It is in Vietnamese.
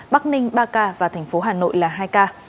bắc ninh ba ca và thành phố hà nội là hai ca